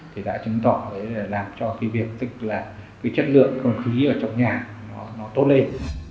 thì đã chứng tỏ là làm cho cái việc tức là cái chất lượng không khí ở trong nhà nó tốt lên